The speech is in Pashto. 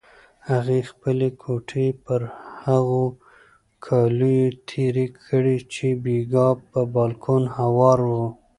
هغې خپلې ګوتې پر هغو کالیو تېرې کړې چې بېګا پر بالکن هوار وو.